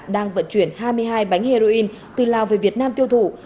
đang vận chuyển hai mươi hai bánh heroin từ lào về việt nam tiêu thụ